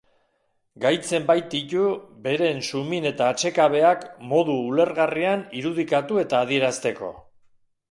Gaitzen baititu beren sumin eta atsekabeak modu ulergarrian irudikatu eta adierazteko.